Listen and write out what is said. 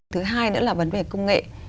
thứ hai nữa là vấn đề công nghệ